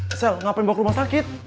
eh sel ngapain bawa ke rumah sakit